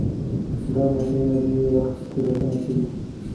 دا ماشینونه ځینې وخت تېروتنه کوي.